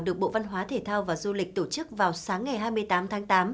được bộ văn hóa thể thao và du lịch tổ chức vào sáng ngày hai mươi tám tháng tám